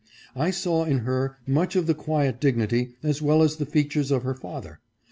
I saw in her much of the quiet dignity as well as the features of her father.